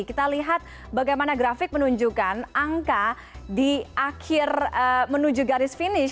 kita lihat bagaimana grafik menunjukkan angka di akhir menuju garis finish